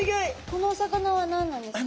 このお魚は何なんですか？